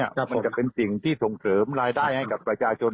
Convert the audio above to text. มันจะเป็นสิ่งที่ส่งเสริมรายได้ให้กับประชาชน